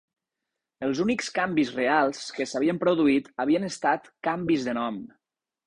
Els únics canvis reals que s'havien produït havien estat canvis de nom